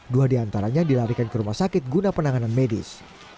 dua diantaranya dilarikan ke rumah sakit guna penanganan medis